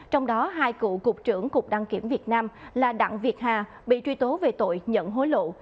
trong đó hai cựu cục trưởng cục đăng kiểm việt nam là đặng việt hà bị truy tố về tội nhận hối lộ